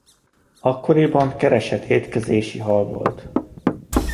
Akkoriban keresett étkezési hal volt.